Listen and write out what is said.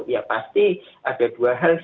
ya pasti ada dua hal sih